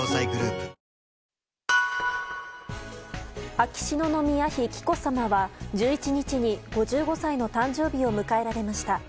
秋篠宮妃紀子さまは１１日に５５歳の誕生日を迎えられました。